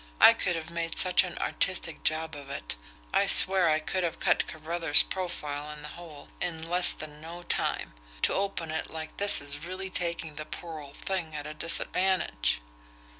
"I could have made such an artistic job of it I swear I could have cut Carruthers' profile in the hole in less than no time to open it like this is really taking the poor old thing at a disadvantage."